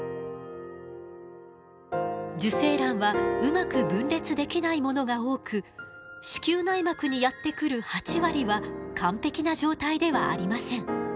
受精卵はうまく分裂できないものが多く子宮内膜にやって来る８割は完璧な状態ではありません。